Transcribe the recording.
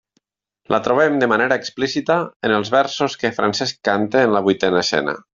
La trobem de manera explícita en els versos que Francesc canta en la vuitena escena.